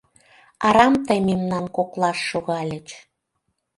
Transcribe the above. Арам тый мемнан коклаш шогальыч...